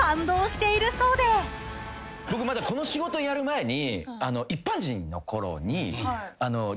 僕まだこの仕事やる前に。